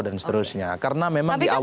dan seterusnya karena memang diawali